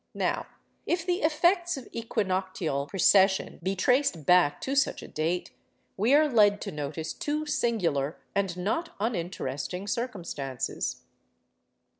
Now if the effects of equinoctial precession be traced back to such a date, we are led to notice two singular and not uninteresting circumstances.